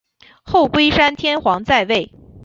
后龟山天皇在位。